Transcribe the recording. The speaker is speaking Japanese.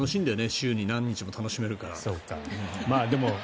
週に何日も楽しめるから。